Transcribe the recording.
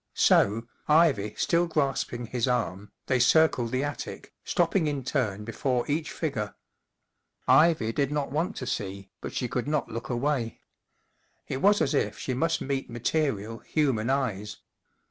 So, Ivy still grasping his arm, they circled the attic, stopping in turn before each figure. Ivy did not want to see, but she could not look away. It was as if she must meet material, human eyes.